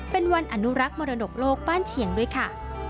เป็นวันอนุรักษ์มรดกโลกบ้านเชียงด้วยค่ะ